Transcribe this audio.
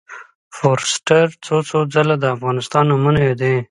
فورسټر څو څو ځله د افغانستان نومونه یادوي.